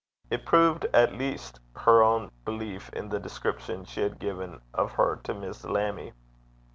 It proved at least her own belief in the description she had given of her to Miss Lammie.